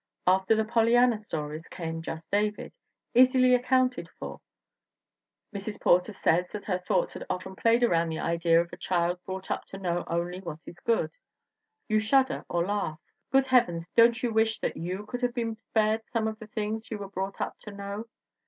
After the Polly anna stories came Just David, easily accounted for. Mrs. Pgrter says that her thoughts had often played around the idea of a child brought up to know only what is good. You shudder, or laugh. Good heav ens, don't you wish that you could have been spared some of the things you were brought up to know?